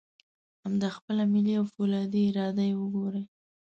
همدا خپله ملي او فولادي اراده یې وګورئ.